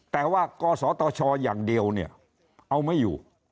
แต่ว่ากศตชอย่างเดียวเนี่ยเอาไม่อยู่